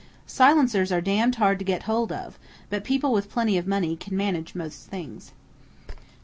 Silencers are damned hard to get hold of, but people with plenty of money can manage most things."